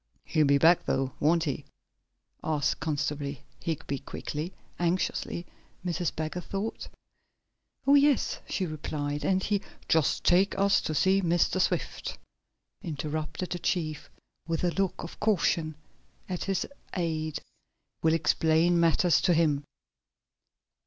"He'll be back though, won't he?" asked Constable Higby quickly anxiously, Mrs. Baggert thought. "Oh, yes," she replied. "He and " "Just take us to see Mr. Swift," interrupted the chief, with a look of caution at his aide. "We'll explain matters to him."